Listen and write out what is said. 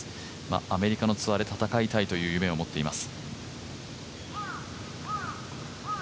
アメリカのツアーで戦いたいという夢を持っています。